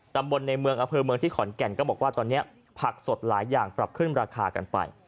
ตำบลในเมืองอำเภอเมืองที่ขอนแก่นก็บอกว่าตอนนี้ผักสดหลายอย่างปรับขึ้นราคากันไป